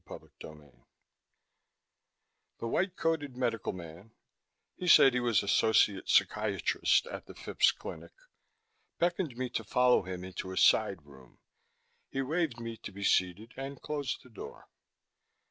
CHAPTER 22 The white coated medical man he said that he was associate psychiatrist at the Phipps Clinic beckoned me to follow him into a side room. He waved me to be seated and closed the door.